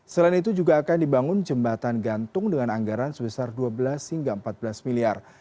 selain itu juga akan dibangun jembatan gantung dengan anggaran sebesar dua belas hingga empat belas miliar